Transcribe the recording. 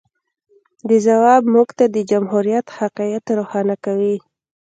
د ځواب موږ ته د جمهوریت حقایق روښانه کوي.